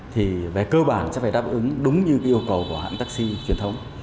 thì về cơ bản sẽ phải đáp ứng đúng như yêu cầu của hãng taxi truyền thống